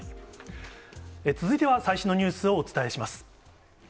続いては最新のニュースをお伝えします。